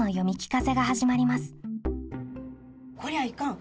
「こりゃいかん。